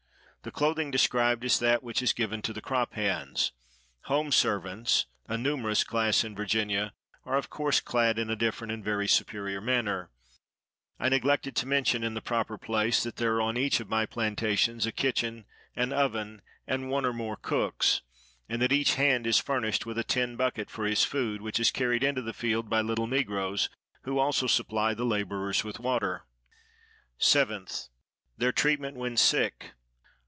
The clothing described is that which is given to the crop hands. Home servants, a numerous class in Virginia, are of course clad in a different and very superior manner. I neglected to mention, in the proper place, that there are on each of my plantations a kitchen, an oven, and one or more cooks; and that each hand is furnished with a tin bucket for his food, which is carried into the field by little negroes, who also supply the laborers with water. 7th. "Their treatment when sick."